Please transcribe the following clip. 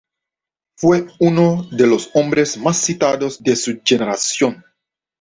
Fue uno de los hombres más citados de su generación.